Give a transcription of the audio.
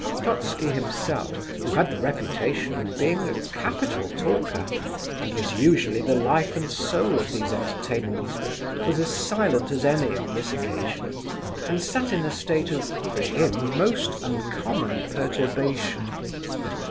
Totski himself, who had the reputation of being a capital talker, and was usually the life and soul of these entertainments, was as silent as any on this occasion, and sat in a state of, for him, most uncommon perturbation.